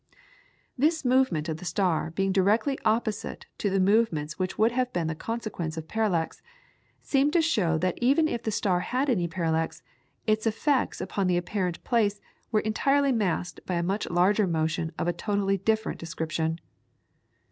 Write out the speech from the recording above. This movement of the star being directly opposite to the movements which would have been the consequence of parallax, seemed to show that even if the star had any parallax its effects upon the apparent place were entirely masked by a much larger motion of a totally different description.